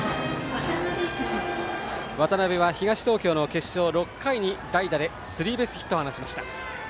渡邊は東東京の決勝６回に代打でスリーベースヒットを放ちました。